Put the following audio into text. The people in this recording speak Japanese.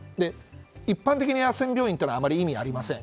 一般的に野戦病院というのは意味がありません。